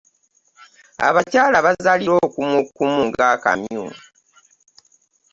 Abakyala abazaalira okumu okumu ng'akamyu.